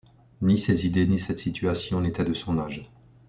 Ni ces idées ni cette situation n’étaient de son âge.